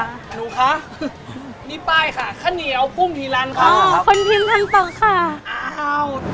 หนูคะนี่ป้ายค่ะข้าวเหนียวกุ้งทีลันค่ะอ๋อคนพิมพ์พันต่อค่ะอ้าว